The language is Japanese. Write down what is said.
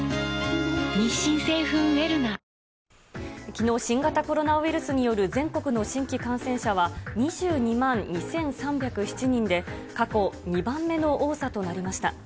きのう、新型コロナウイルスによる全国の新規感染者は２２万２３０７人で、過去２番目の多さとなりました。